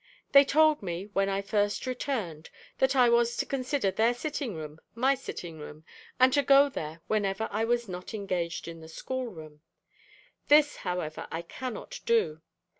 They told me, when I first returned, that I was to consider their sitting room my sitting room, and to go there whenever I was not engaged in the schoolroom. This, however, I cannot do.